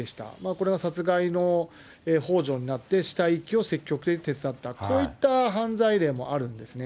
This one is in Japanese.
これは殺害のほう助になって、死体遺棄を積極的に手伝った、こういった犯罪例もあるんですね。